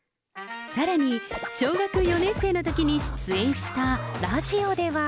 さらに、小学４年生のときに出演したラジオでは。